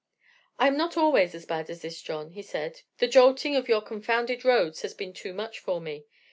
"I am not always as bad as this, John," he said; "the jolting of your confounded roads has been too much for me.